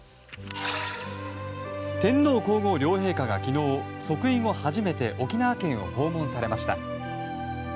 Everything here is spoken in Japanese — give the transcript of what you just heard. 天皇・皇后両陛下が昨日即位後初めて沖縄県を訪問されました。